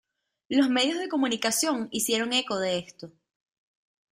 Los medios de comunicación hicieron eco de esto.